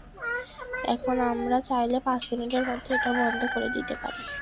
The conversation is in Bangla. এখন আমরা চাইলে পাঁচ মিনিটের মধ্যে এটা বন্ধ করে দিতে পারি।